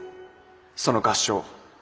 その合唱。